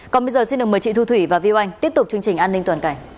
còn bây giờ xin mời chị thu thủy và vi anh tiếp tục chương trình an ninh toàn cảnh